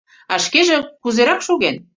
А Шкеже кузерак шоген?